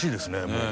もう。